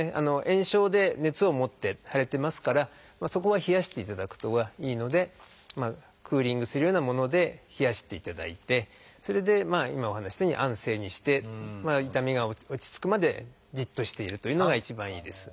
炎症で熱を持って腫れてますからそこは冷やしていただくのがいいのでクーリングするようなもので冷やしていただいてそれで今お話ししたように安静にして痛みが落ち着くまでじっとしているというのが一番いいです。